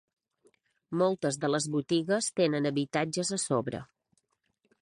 Moltes de les botigues tenen habitatges a sobre.